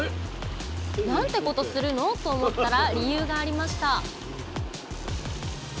なんてことするの？と思ったら理由がありました